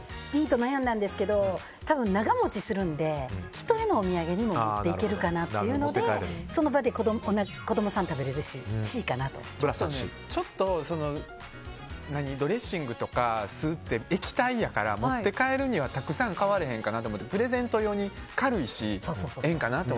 Ｂと悩んだんですけど多分、長持ちするので人へのお土産にも持っていけるかなというのでその場で子供さん食べれるしドレッシングとか酢って液体やから、持って帰るにはたくさん買われへんかなって。プレゼント用に軽いしええんかなと。